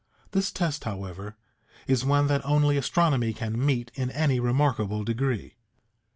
This test, however, is one that only astronomy can meet in any remarkable degree.